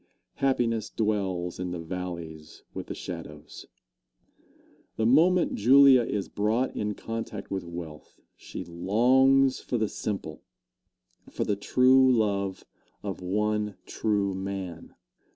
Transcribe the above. Happiness dwells in the valleys with the shadows. The moment Julia is brought in contact with wealth, she longs for the simple for the true love of one true man.